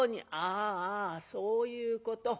「ああそういうこと。